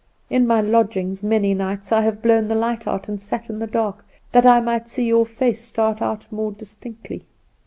In my lodgings, many nights I have blown the light out, and sat in the dark, that I might see your face start out more distinctly.